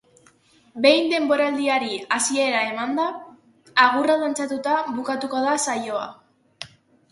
Behin denboraldiari hasiera emanda, agurra dantzatuta bukatuko da saioa.